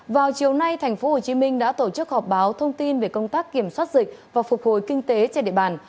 vào chiều nay tp hcm đã tổ chức họp báo thông tin về công tác kiểm soát dịch và phục hồi kinh tế trên địa bàn